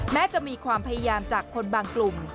จะมีความพยายามจากคนบางกลุ่ม